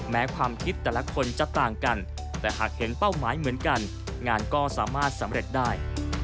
ความคิดแต่ละคนจะต่างกันแต่หากเห็นเป้าหมายเหมือนกันงานก็สามารถสำเร็จได้